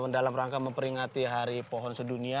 dalam rangka memperingati hari pohon sedunia